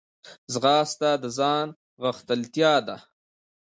ځغاسته د ځان غښتلتیا ده